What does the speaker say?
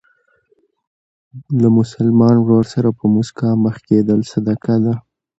له مسلمان ورور سره په مسکا مخ کېدل صدقه ده.